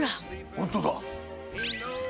本当だ。